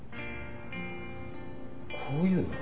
こういうのは？